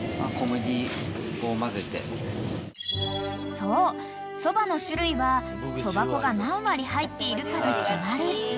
［そうそばの種類はそば粉が何割入っているかで決まる］